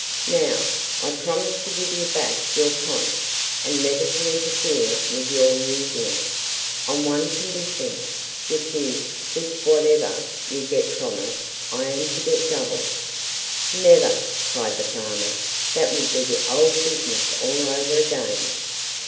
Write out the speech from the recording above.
Now, I promise to give you back your conch, and never to interfere with your using it, on one condition, which is this—Whatever you get from it, I am to get double." "Never!" cried the farmer; "that would be the old business all over again!"